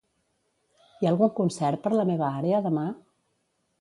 Hi ha algun concert per la meva àrea demà?